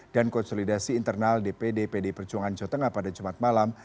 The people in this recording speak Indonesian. dan konsolidasi internal dpd pd perjuangan jawa tengah pada jumat malam